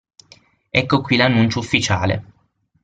Ecco qui l'annuncio ufficiale.